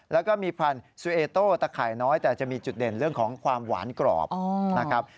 แล้วก็มีพันธุ์ซูเอโต้ตะข่ายน้อยแต่จะมีจุดเด่นเรื่องของความหวานกรอบนะครับ